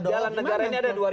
jalan negara ini ada dua